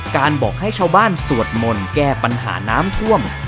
บอกให้ชาวบ้านสวดมนต์แก้ปัญหาน้ำท่วม